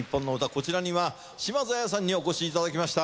こちらには島津亜矢さんにお越しいただきました。